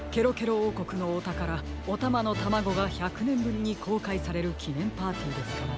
おうこくのおたからおたまのタマゴが１００ねんぶりにこうかいされるきねんパーティーですからね。